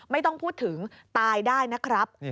ไม่ต้องพูดถึงตายได้นะครับ